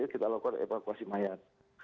kita lakukan evakuasi mayat